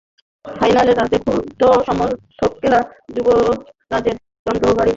ফাইনালের রাতে ক্ষুব্ধ সমর্থকেরা যুবরাজের চণ্ডীগড়ের বাড়িতে ঢিল ছুড়তেও দ্বিধায় ভোগেননি।